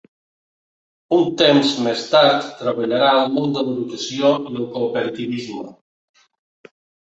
Un temps més tard treballarà al món de l'educació i el cooperativisme.